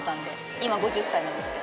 今５０歳なんですけど。